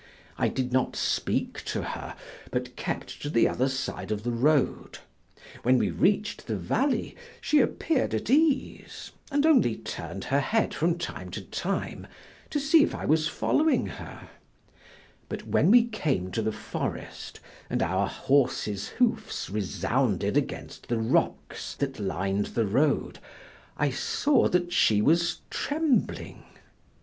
I did not speak to her but kept to the other side of the road. When we reached the valley she appeared at ease and only turned her head from time to time to see if I was following her; but when we came to the forest and our horses' hoofs resounded against the rocks that lined the road, I saw that she was trembling.